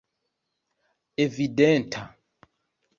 evidenta